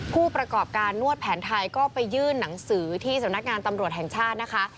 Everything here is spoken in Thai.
ผู้ประกอบการนวดแผนไทยก็ไปยื่นหนังสือที่สำนักงานตำรวจแห่งชาตินะคะ